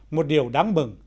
một điều đáng mừng